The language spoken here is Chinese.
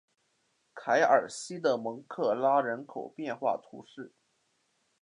凯尔西的蒙克拉人口变化图示